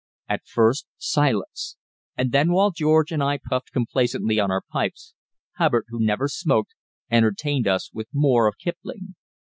At first, silence; and then, while George and I puffed complacently on our pipes, Hubbard, who never smoked, entertained us with more of Kipling.